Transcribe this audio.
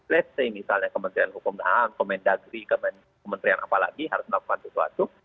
let's say misalnya kementerian hukum daang kementerian dari kementerian apalagi harus melakukan sesuatu